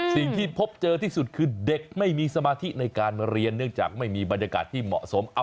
สิ่งที่พบเจอที่สุดคือเด็กไม่มีสมาธิในการเรียนเนื่องจากไม่มีบรรยากาศที่เหมาะสม